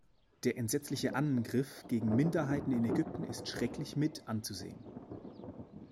Der entsetzliche Anngriff gegen Minderheiten in Ägypten ist schrecklich mit anzusehen.